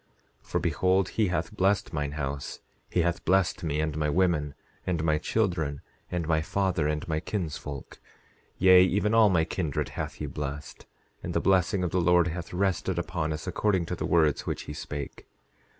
10:11 For behold, he hath blessed mine house, he hath blessed me, and my women, and my children, and my father and my kinsfolk; yea, even all my kindred hath he blessed, and the blessing of the Lord hath rested upon us according to the words which he spake.